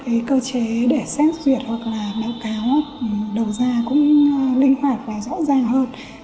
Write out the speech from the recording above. cái cơ chế để xét duyệt hoặc là báo cáo đầu ra cũng linh hoạt và rõ ràng hơn